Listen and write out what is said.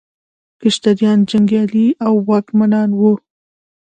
کشتریان جنګیالي او واکمنان وو.